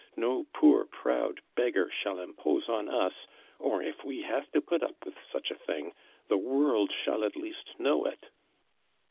No poor proud beggar sliall impose on us, or if we have to put up with such a thing the world I" ^11 at least know it."